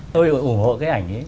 tôi ủng hộ cái ảnh ấy